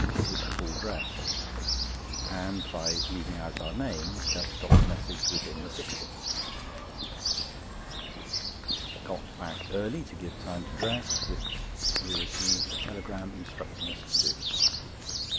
Is it full dress?" and by leaving out our name, just got the message within the sixpence. Got back early to give time to dress, which we received a telegram instructing us to do.